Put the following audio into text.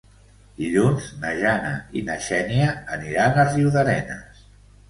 Dilluns na Jana i na Xènia aniran a Riudarenes.